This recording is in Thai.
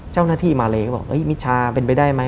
เจ้าหน้าที่มาเลเธอบอกมิชลาอะเป็นไปได้มั้ย